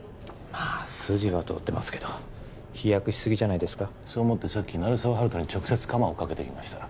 まあ筋は通ってますけど飛躍しすぎじゃないですかそう思ってさっき鳴沢温人に直接カマをかけてきました